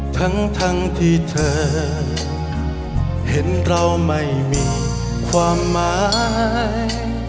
ทั้งทั้งที่เธอเห็นเราไม่มีความหมาย